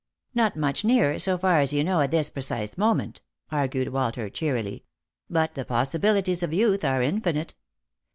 "Not much nearer, so far as you know at this precise moment," argued Walter cheerily ;" but the possibilities of youth are infinite.